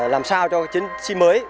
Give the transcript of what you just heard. làm sao cho chiến sĩ mới